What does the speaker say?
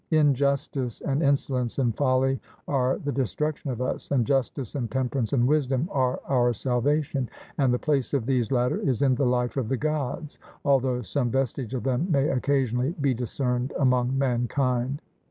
Injustice and insolence and folly are the destruction of us, and justice and temperance and wisdom are our salvation; and the place of these latter is in the life of the Gods, although some vestige of them may occasionally be discerned among mankind.